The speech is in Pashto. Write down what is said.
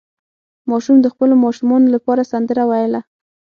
ماشوم د خپلو ماشومانو لپاره سندره ویله.